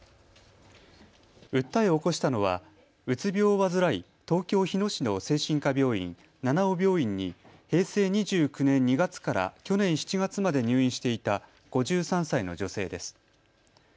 訴えを起こしたのはうつ病を患い東京日野市の精神科病院、七生病院に平成２９年２月から去年７月まで入院していた５３歳の女性です。